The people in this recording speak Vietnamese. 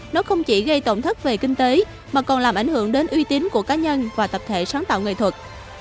nó không chỉ gây tổn thất về kinh tế mà còn làm ảnh hưởng đến uy tín của cá nhân và tập thể sáng tạo nghệ thuật